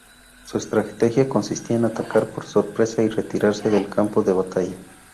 Su estrategia consistía en atacar por sorpresa y retirarse del campo de batalla.